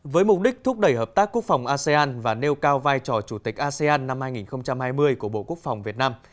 với mục đích thúc đẩy hợp tác quốc phòng asean và nêu cao vai trò chủ tịch asean năm hai nghìn hai mươi của bộ quốc phòng việt nam